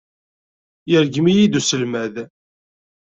Yergem-iyi-d uselmad.